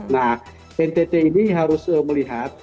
nah ntt ini harus melihat